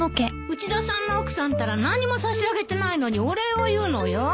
内田さんの奥さんったら何にも差し上げてないのにお礼を言うのよ。